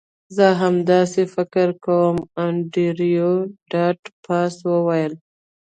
زه هم همداسې فکر کوم انډریو ډاټ باس وویل